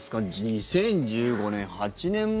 ２０１５年、８年前。